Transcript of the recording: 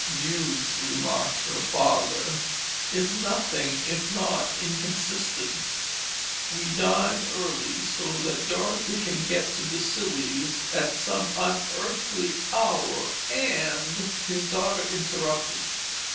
"Youth," remarked her father, "is nothing if not inconsistent. We dine early, so that Dorothy can get to the Sillies at some unearthly hour, and—" His daughter interrupted.